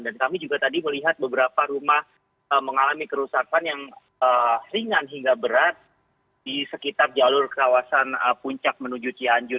dan kami juga tadi melihat beberapa rumah mengalami kerusakan yang ringan hingga berat di sekitar jalur kawasan puncak menuju cianjur